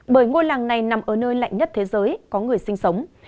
bởi ngôi làng này nằm ở nơi lạnh nhất thế giới có người sinh sống